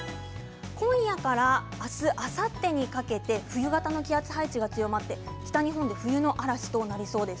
今夜から明日、あさってにかけて冬型の気圧配置が強まって、北日本で冬の嵐となりそうです。